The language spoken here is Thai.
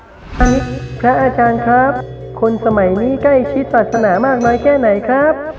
อันนี้พระอาจารย์ครับคนสมัยนี้ใกล้ชิดศาสนามากน้อยแค่ไหนครับ